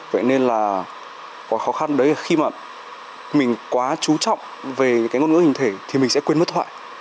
vậy nên là có khó khăn đấy là khi mà mình quá chú trọng về cái ngôn ngữ hình thể thì mình sẽ quên mất thoại